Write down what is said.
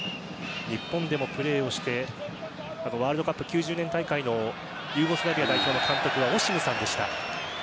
日本でもプレーをしてワールドカップ９０年大会のユーゴスラビア代表の監督はオシムさんでした。